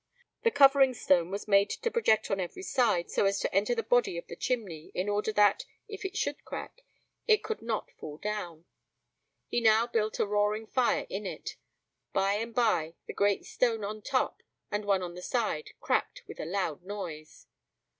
The covering stone was made to project on every side, so as to enter into the body of the chimney, in order that, if it should crack, it could not fall down. He now built a roaring fire in it. By and by the great stone on top, and one on the side, cracked with a loud noise.